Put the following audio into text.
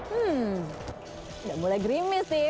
hmm udah mulai grimis sih